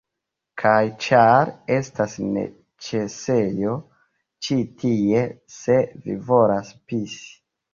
Kaj ĉar... estas neĉesejo ĉi tie se vi volas pisi